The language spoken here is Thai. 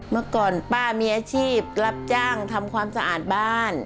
เมื่อก่อนป้ามีอาชีพรับจ้างทำความสะอาดบ้าน